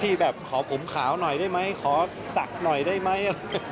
แบบขอผมขาวหน่อยได้ไหมขอศักดิ์หน่อยได้ไหม